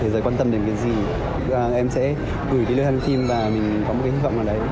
rồi quan tâm đến cái gì em sẽ gửi điên hòa hàn phim và mình có một cái hy vọng là đấy